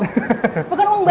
bukan uang barbie